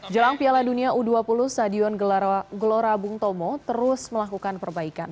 jelang piala dunia u dua puluh stadion gelora bung tomo terus melakukan perbaikan